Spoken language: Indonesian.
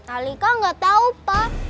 alika nggak tahu pak